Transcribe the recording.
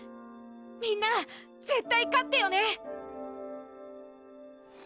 みんな絶対勝ってよね！